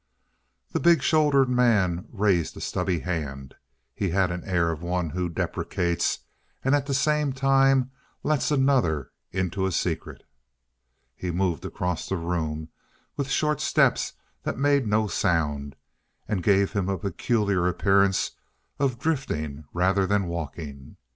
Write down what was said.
The big shouldered man raised a stubby hand. He had an air of one who deprecates, and at the same time lets another into a secret. He moved across the room with short steps that made no sound, and gave him a peculiar appearance of drifting rather than walking.